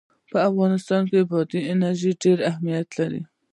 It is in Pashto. په افغانستان کې بادي انرژي ډېر اهمیت لري.